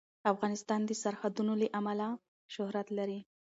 افغانستان د سرحدونه له امله شهرت لري.